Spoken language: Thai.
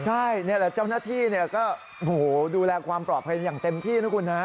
ใช่นี่แหละเจ้าหน้าที่ก็ดูแลความปลอดภัยอย่างเต็มที่นะคุณฮะ